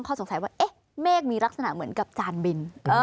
เขาสงสัยว่าเอ๊ะเมฆมีลักษณะเหมือนกับจานบิน